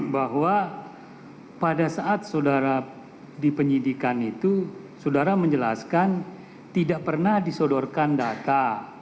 bahwa pada saat saudara di penyidikan itu saudara menjelaskan tidak pernah disodorkan data